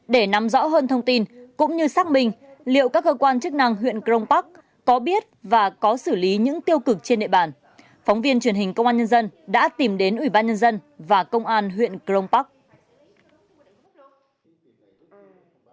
để nắm rõ hơn thông tin cũng như xác minh liệu các cơ quan chức năng huyện crong park có biết và có xử lý những tiêu cực trên địa bàn phóng viên truyền hình công an nhân dân đã tìm đến ủy ban nhân dân và công an huyện crong park